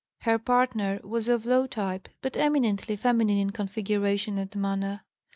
Her partner was of low type, but eminently feminine in configuration and manner.